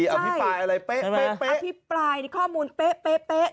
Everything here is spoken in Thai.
ใช่อภิปรายอะไรเป๊ะเป๊ะเป๊ะอภิปรายข้อมูลเป๊ะเป๊ะเป๊ะ